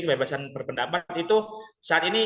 kebebasan berpendapat itu saat ini